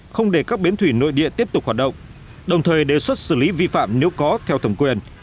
không để các bến thủy nội địa tiếp tục hoạt động đồng thời đề xuất xử lý vi phạm nếu có theo thẩm quyền